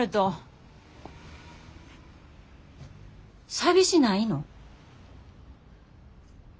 寂しないの？